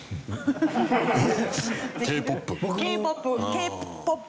Ｋ−ＰＯＰ。